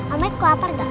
om baik lo lapar gak